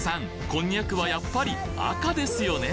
こんにゃくはやっぱり赤ですよね！